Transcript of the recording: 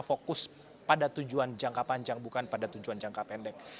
fokus pada tujuan jangka panjang bukan pada tujuan jangka pendek